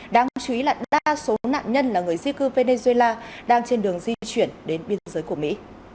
đáng chú ý là đa số nạn nhân là người di cư venezuela đang trên đường di chuyển đến biên giới của mỹ